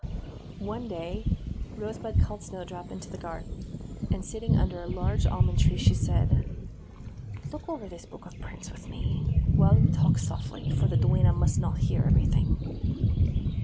One day, Rosebud called Snowdrop into the garden, and sitting under a large almond tree, she said: "Look over this book of prints with me, while we talk softly, for the duenna must not hear every thing."